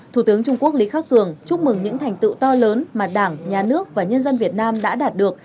thủ tướng trung quốc lý khắc cường chúc mừng những thành tựu to lớn mà đảng nhà nước và nhân dân việt nam đã đạt được